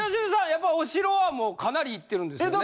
やっぱりお城はかなり行ってるんですよね？